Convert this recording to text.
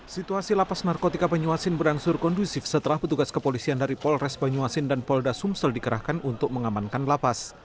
situasi lapas narkotika banyuasin berangsur kondusif setelah petugas kepolisian dari polres banyuasin dan polda sumsel dikerahkan untuk mengamankan lapas